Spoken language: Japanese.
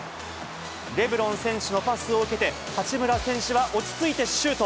レブロン選手のパスを受けて、八村選手は落ち着いてシュート。